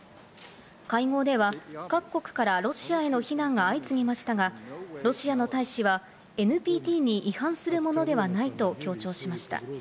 会合では各国からロシアへの非難が相次ぎましたが、ロシアの大使はＮＰＴに違反するものではないと強調しました。